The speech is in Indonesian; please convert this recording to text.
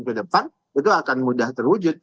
ke depan itu akan mudah terwujud